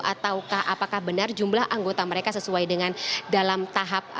ataukah apakah benar jumlah anggota mereka sesuai dengan dalam tahap